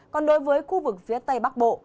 còn đối với khu vực phía tây bắc bộ